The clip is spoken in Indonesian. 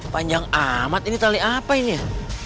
panjang amat ini tali apa ini ya